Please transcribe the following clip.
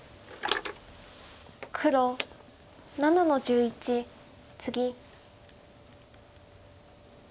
黒７の十一ツギ。